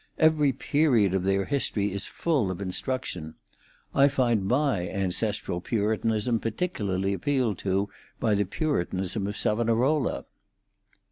Every period of their history is full of instruction. I find my ancestral puritanism particularly appealed to by the puritanism of Savonarola."